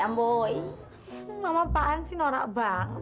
mama pak hansi norak banget deh